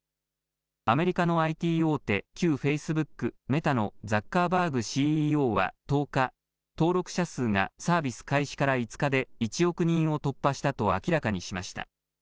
アメリカのＩＴ大手、旧フェイスブック、メタのザッカーバーグＣＥＯは１０日、登録者数がサービス開始から５日で１億人を突破したと明らかにしました。